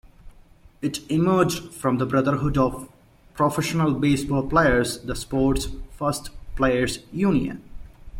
It emerged from the Brotherhood of Professional Base-Ball Players, the sport's first players' union.